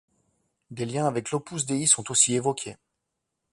Des liens avec l'Opus Dei sont aussi évoqués.